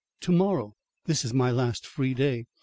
"To morrow. This is my last free day.